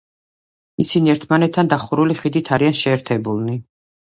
ისინი ერთმანეთთან დახურული ხიდით არიან შეერთებულნი.